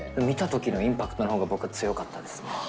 見たときのインパクトのほうが僕は強かったですね。